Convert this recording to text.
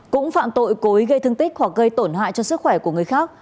cũng phạm tội cố ý gây thương tích hoặc gây tổn hại cho sức khỏe của người khác